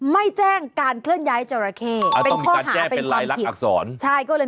มันคนละเคสกันครับพี่